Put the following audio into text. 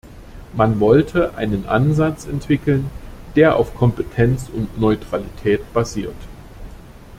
Man wollte einen Ansatz entwickeln, der auf Kompetenz und Neutralität basiert.